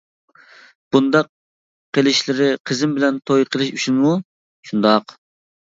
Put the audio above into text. -بۇنداق قىلىشلىرى قىزىم بىلەن توي قىلىش ئۈچۈنمۇ؟ -شۇنداق.